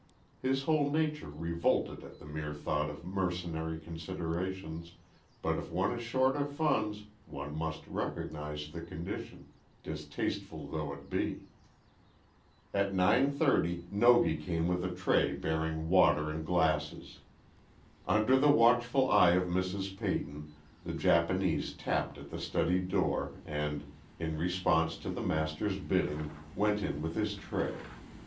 His whole nature revolted at the mere thought of mercenary considerations, but if one is short of funds one must recognize the condition, distasteful though it be. At nine thirty, Nogi came with a tray bearing water and glasses. Under the watchful eye of Mrs. Peyton the Japanese tapped at the study door and, in response to the master's bidding, went in with his tray.